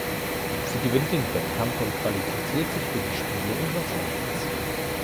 Sie gewinnt den Wettkampf und qualifiziert sich für die Spiele in Los Angeles.